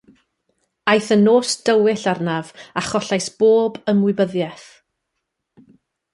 Aeth yn nos dywyll arnaf a chollais bob ymwybyddiaeth.